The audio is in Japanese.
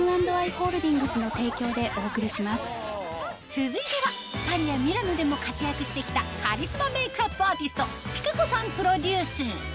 続いてはパリやミラノでも活躍してきたカリスマメイクアップアーティストピカ子さんプロデュース